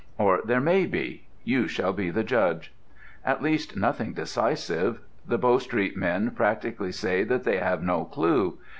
Or there may be you shall be the judge. At least, nothing decisive. The Bow Street men practically say that they have no clue.